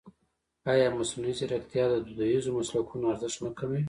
ایا مصنوعي ځیرکتیا د دودیزو مسلکونو ارزښت نه کموي؟